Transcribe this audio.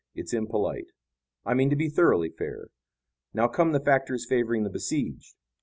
It's impolite. I mean to be thoroughly fair. Now come the factors favoring the besieged.